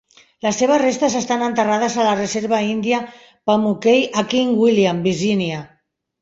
Les seves restes estan enterrades a la reserva índia Pamunkey a King William, Virgínia.